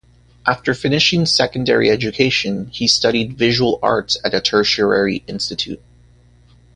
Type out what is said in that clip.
After finishing secondary education he studied Visual Arts at a tertiary institute.